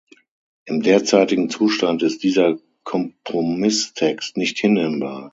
Im derzeitigen Zustand ist dieser Kompromisstext nicht hinnehmbar.